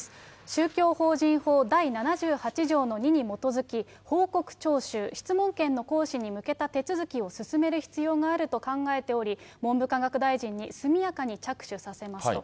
宗教法人法第７８条の２に基づき、報告徴収、質問権の行使に向けた手続きを進める必要があると考えており、文部科学大臣に速やかに着手させますと。